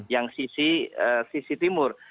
yang sisi timur